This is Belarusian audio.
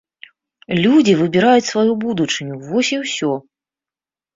Людзі выбіраюць сваю будучыню, вось і ўсё!